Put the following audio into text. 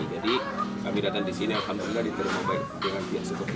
nanti kita tarik dulu nanti kita komunikasi lagi pak